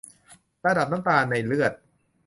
ระดับน้ำตาลในเลือด